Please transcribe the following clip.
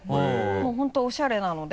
もう本当おしゃれなので。